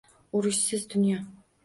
Urushsiz dunyo.